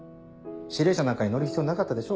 指令車なんかに乗る必要なかったでしょ？